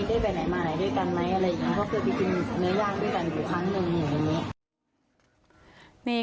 ได้ไปไหนมาไหนด้วยกันไหมอะไรอย่างนี้